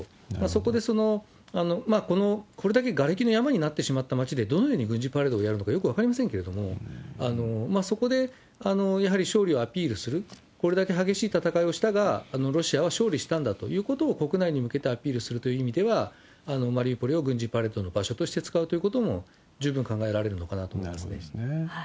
そこで、これだけがれきの山になってしまった町で、どのように軍事パレードをやるのかよく分かりませんけれども、そこでやはり勝利をアピールする、これだけ激しい戦いをしたが、ロシアは勝利したんだということを、国内に向けてアピールするという意味では、マリウポリを軍事パレードの場所として使うということも、十分考えられるのかなと思いますね。